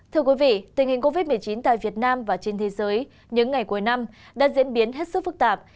thưa quý vị tình hình covid một mươi chín tại việt nam và trên thế giới những ngày cuối năm đã diễn biến hết sức phức tạp